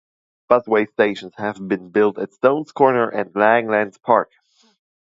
Busway stations have been built at Stones Corner and Langlands Park.